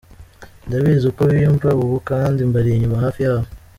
Ndabizi uko biyumva ubu kandi mbari inyuma, hafi yabo.